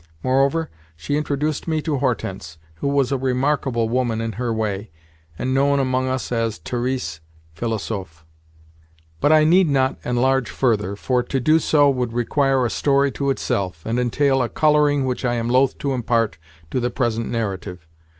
Moreover, she introduced me to Hortense, who was a remarkable woman in her way, and known among us as Thérèse Philosophe. But I need not enlarge further, for to do so would require a story to itself, and entail a colouring which I am loth to impart to the present narrative.